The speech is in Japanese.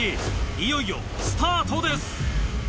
いよいよスタートです。